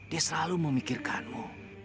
dia selalu memikirkanmu